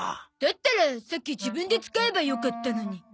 だったらさっき自分で使えばよかったのに。